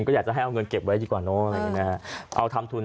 ก็เหมือนที่เพื่อนเขาทัก